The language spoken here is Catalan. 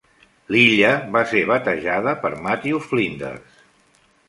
L'illa va ser batejada per Matthew Flinders.